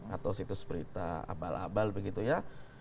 atau situs berita abal abal begitu ya